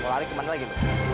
mau lari ke mana lagi